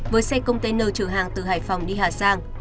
với xe container chở hàng từ hải phòng đi hà giang